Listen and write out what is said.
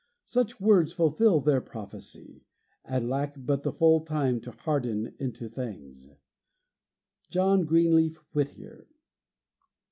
Such words fulfil their prophecy, and lack But the full time to harden into things. JOHN GREENLEAF WHITTIER.